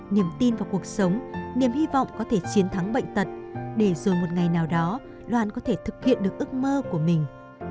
niềm tin vào cuộc sống niềm hy vọng có thể chiến thắng bệnh tật để rồi một ngày nào đó loan có thể thực hiện được ước mơ của mình